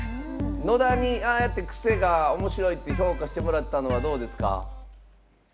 野田にああやってクセがおもしろいと評価してもらったのはどうですか？